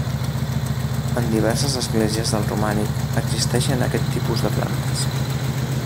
En diverses esglésies del romànic existeixen aquest tipus de plantes.